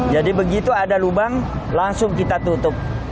jadi begitu ada lubang langsung kita tutup